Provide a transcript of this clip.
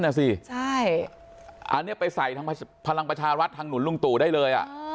น่ะสิใช่อันนี้ไปใส่ทางพลังประชารัฐทางหนุนลุงตู่ได้เลย